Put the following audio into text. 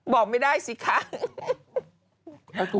บอกไม่ได้สิคะ